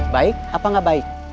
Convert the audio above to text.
baik apa gak baik